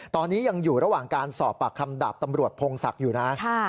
ตอนนี้ยังอยู่ระหว่างการสอบปากคำดาบตำรวจพงศักดิ์อยู่นะ